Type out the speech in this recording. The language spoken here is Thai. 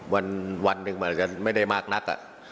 วันหนึ่งมันอาจจะไม่ได้มากนัก